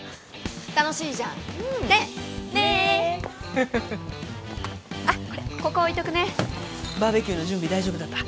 楽しいじゃんねえねえあっこれここ置いとくねバーベキューの準備大丈夫だった？